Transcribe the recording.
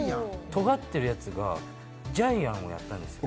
尖ってるやつがジャイアンをやったんですよ。